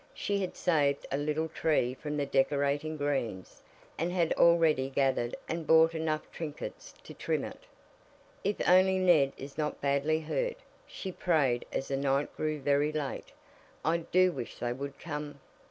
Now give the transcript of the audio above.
She had saved a little tree from the decorating greens, and had already gathered and bought enough trinkets to trim it. "If only Ned is not badly hurt," she prayed as the night grew very late. "I do wish they would come."